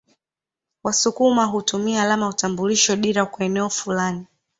Wasukuma hutumia alama ya utambulisho dira kwa eneo fulani